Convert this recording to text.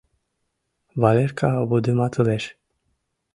— Валерка вудыматылеш.